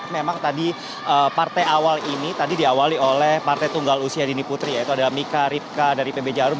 memang tadi partai awal ini tadi diawali oleh partai tunggal usia dini putri yaitu ada mika ripka dari pb jarum